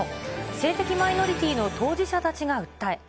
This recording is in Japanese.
性的マイノリティーの当事者たちが訴え。